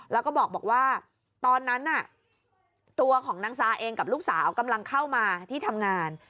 แล้วก็บอกว่าตอนนั้นน่ะตัวของนางซาเองกับลูกสาวกำลังเข้ามาที่ทำงาน